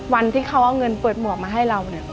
วันที่เขาเอาเงินเปิดหมวกมาให้เราเนี่ย